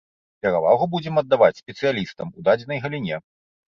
Перавагу будзем аддаваць спецыялістам у дадзенай галіне.